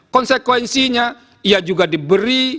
konsekuensinya ia juga diberi